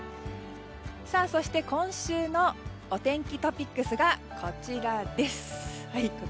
そして、今週のお天気トピックスがこちらです。